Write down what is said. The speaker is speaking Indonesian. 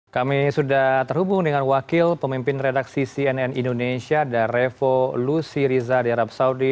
kami sudah terhubung dengan wakil pemimpin redaksi cnn indonesia dan revo lusi riza di arab saudi